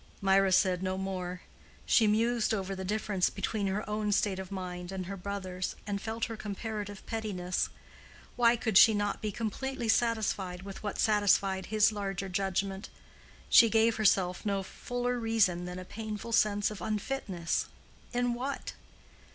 Mirah said no more. She mused over the difference between her own state of mind and her brother's, and felt her comparative pettiness. Why could she not be completely satisfied with what satisfied his larger judgment? She gave herself no fuller reason than a painful sense of unfitness—in what?